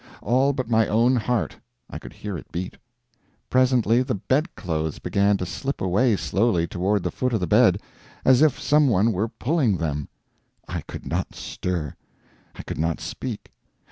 All but my own heart I could hear it beat. Presently the bedclothes began to slip away slowly toward the foot of the bed, as if some one were pulling them! I could not stir; I could not speak.